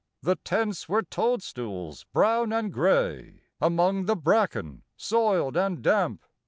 The tents were toadstools, brown and gray, Among the bracken, soiled and damp.